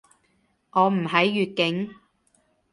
我唔喺粵境